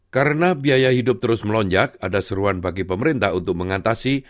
karena biaya hidup terus melonjak ada seruan bagi pemerintah untuk mengatasi